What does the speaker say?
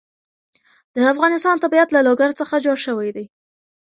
د افغانستان طبیعت له لوگر څخه جوړ شوی دی.